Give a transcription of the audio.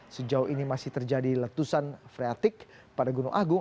sejauh ini masih terjadi letusan freatik pada gunung agung